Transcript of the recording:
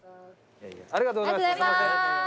ありがとうございます。